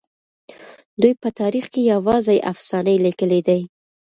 دوی په تاريخ کې يوازې افسانې ليکلي دي.